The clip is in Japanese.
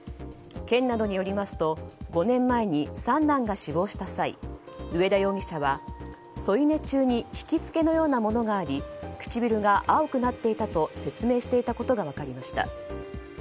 県などによりますと、５年前に三男が死亡した際上田容疑者は添い寝中にひきつけのようなものがあり唇が青くなっていたと説明していたことが分かりました。